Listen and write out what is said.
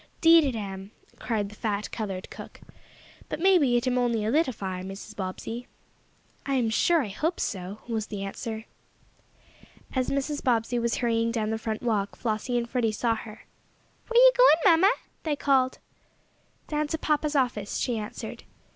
"'Deed it am!" cried the fat, colored cook. "But maybe it am only a little fire, Mrs. Bobbsey." "I'm sure I hope so," was the answer. As Mrs. Bobbsey was hurrying down the front walk Flossie and Freddie saw her. "Where are you going, mamma?" they called. "Down to papa's office," she answered.